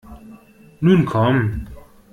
Nun komm!